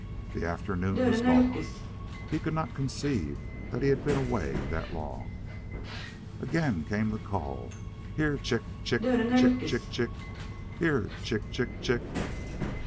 The afternoon was gone. He could not conceive that he had been away that long. Again came the call: "Here, chick, chick, chick, chick, chick! Here, chick, chick, chick!"